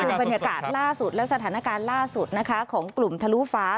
คือบรรยากาศล่าสุดและสถานการณ์ล่าสุดนะคะของกลุ่มทะลุฟ้า